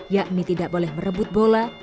yakni tidak boleh merebut bola